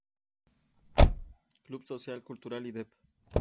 Club Social Cultural y Dep.